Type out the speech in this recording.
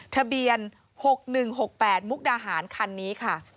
ทะเบียน๖๑๖๘มุกดาหารคันนี้ค่ะ